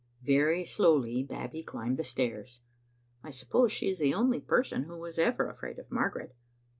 Very slowly Babbie climbed the stairs. I suppose she is the only person who was ever afraid of Margaret.